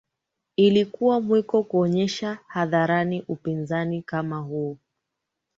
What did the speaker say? ilikuwa mwiko kuonyesha hadharani upinzani kama huo